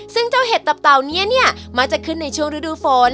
ซึ่งเจ้าเห็ดตับเต่านี้เนี่ยมักจะขึ้นในช่วงฤดูฝน